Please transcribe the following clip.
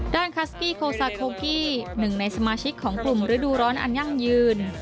คัสกี้โคซาโคกี้หนึ่งในสมาชิกของกลุ่มฤดูร้อนอันยั่งยืน